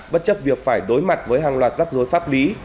bất chấp việc phải đối mặt với hàng loạt rắc rối pháp lý